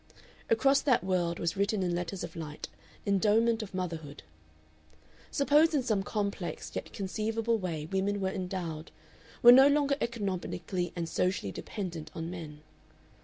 Across that world was written in letters of light, "Endowment of Motherhood." Suppose in some complex yet conceivable way women were endowed, were no longer economically and socially dependent on men.